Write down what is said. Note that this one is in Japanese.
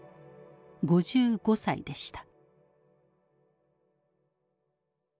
５５歳でした。